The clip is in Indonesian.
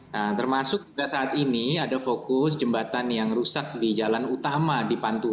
nah termasuk juga saat ini ada fokus jembatan yang rusak di jalan utama di pantura